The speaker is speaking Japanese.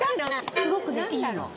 すごくねいいの。